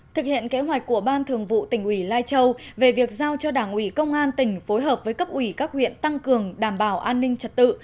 thực hiện kế hoạch của ban thường vụ tỉnh ủy lai châu về việc giao cho đảng ủy công an tỉnh phối hợp với cấp ủy các huyện tăng cường đảm bảo an ninh trật tự